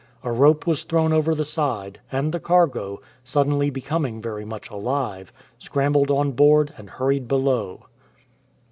A rope was thrown over the side, and the cargo, suddenly becoming very much alive, scrambled on board and hurried below.